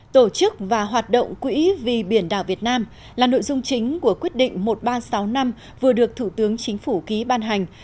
tổ chức và hoạt động quỹ vì biển đảo việt nam là nội dung chính của quyết định một nghìn ba trăm sáu mươi năm vừa được thủ tướng chính phủ ký ban hành